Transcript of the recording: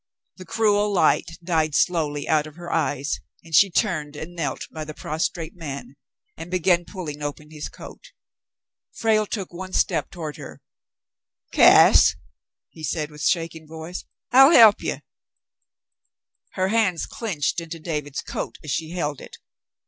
The cruel light died slowly out of her eyes> and she turned and knelt by the prostrate man, and began pulling open his coat. Frale took one step toward her. "Cass," he said, with shaking voice, "I'll he'p you." Her hands clinched into David's coat as she held it.